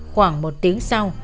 khoảng một tiếng sau